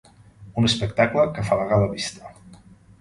Un espectacle que afalaga la vista.